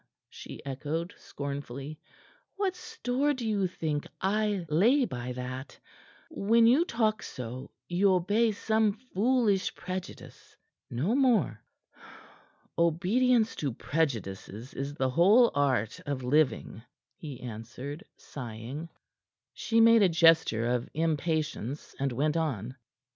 she echoed scornfully. "What store do you think I lay by that? When you talk so, you obey some foolish prejudice; no more." "Obedience to prejudices is the whole art of living," he answered, sighing. She made a gesture of impatience, and went on.